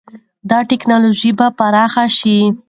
دا ټکنالوژي به پراخه شي.